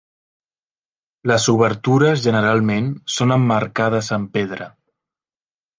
Les obertures generalment són emmarcades amb pedra.